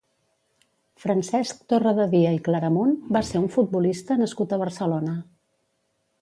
Francesc Torrededia i Claramunt va ser un futbolista nascut a Barcelona.